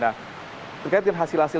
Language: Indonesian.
nah berkaitan hasil hasil